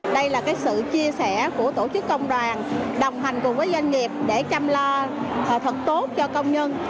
đây là sự chia sẻ của tổ chức công đoàn đồng hành cùng với doanh nghiệp để chăm lo thật tốt cho công nhân